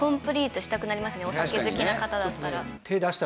お酒好きな方だったら。